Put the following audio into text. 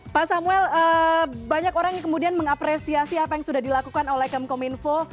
pak samuel banyak orang yang kemudian mengapresiasi apa yang sudah dilakukan oleh kemkominfo